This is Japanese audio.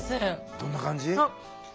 どんな感じ？